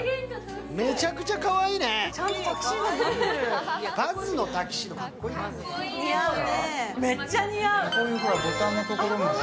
めちゃくちゃかわいいね。